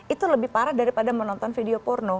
itu lebih parah daripada menonton video porno